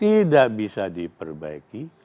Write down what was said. tidak bisa diperbaiki